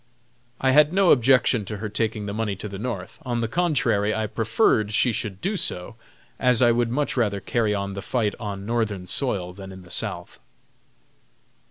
I had no objections to her taking the money to the North. On the contrary, I preferred she should do so, as I would much rather carry on the fight on Northern soil than in the South.